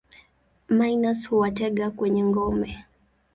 Minus huwatega kwenye ngome.